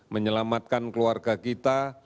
menyelamatkan keluarga kita